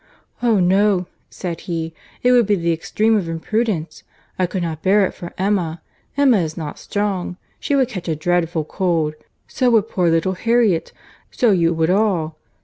"Oh! no," said he; "it would be the extreme of imprudence. I could not bear it for Emma!—Emma is not strong. She would catch a dreadful cold. So would poor little Harriet. So you would all.